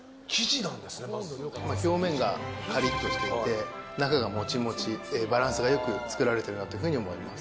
表面がカリッとしていて、中がモチモチで、バランスがよく作られているなというふうに思います。